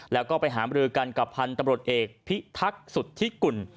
แล้วก็ไปหามรือกันกับพันธุ์ตำรวจเอกพิทักษุทธิกุล